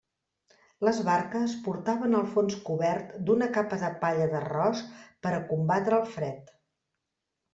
Les barques portaven el fons cobert d'una capa de palla d'arròs per a combatre el fred.